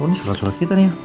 oh ini surat surat kita nih ya